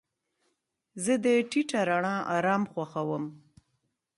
زه د ټیټه رڼا آرام خوښوم.